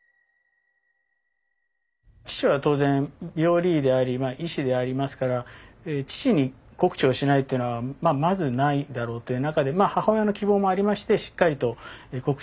父は当然病理医であり医師でありますから父に告知をしないというのはまずないだろうという中でまあ母親の希望もありましてしっかりと告知をされたと。